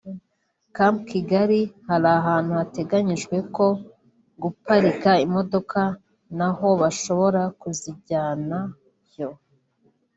Camp Kigali hari ahantu hateganyijwe ho guparika imodoka na ho bashobora kuzijyanayo